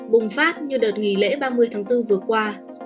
bùng phát như đợt nghỉ lễ ba mươi tháng bốn vừa qua